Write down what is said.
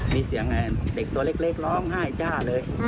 มีเสียงเด็กตัวเล็กร้องไห้จ้าเลย